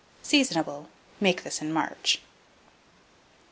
Seasonable. Make this in March.